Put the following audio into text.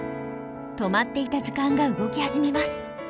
止まっていた時間が動き始めます。